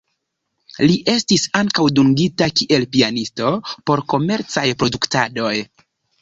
Li estis ankaŭ dungita kiel pianisto por komercaj produktadoj.